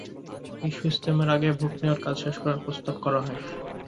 বিশ্ব ইজতেমার আগেই ভোট নেওয়ার কাজ শেষ করার প্রস্তাব করা হয়।